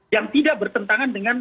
yang tidak bertentangan dengan